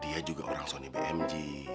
dia juga orang sony bmg